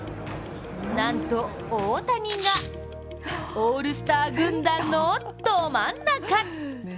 なんと大谷が、オールスター軍団のど真ん中！